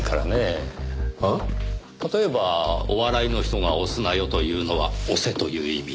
例えばお笑いの人が「押すなよ」というのは「押せ」という意味。